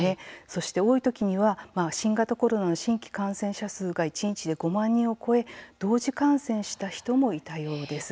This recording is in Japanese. そして多い時には新型コロナの新規感染者数が一日で５万人を超え同時感染した人もいたようです。